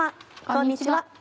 こんにちは。